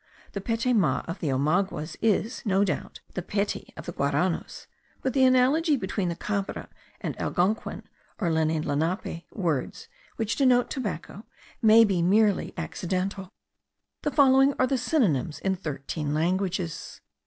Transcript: The pete ma of the Omaguas is, no doubt, the pety of the Guaranos; but the analogy between the Cabre and Algonkin (or Lenni Lenape) words which denote tobacco may be merely accidental. The following are the synonyms in thirteen languages.